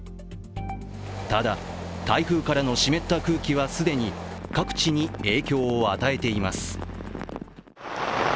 ただ、台風からの湿った空気は既に各地に影響を与えています。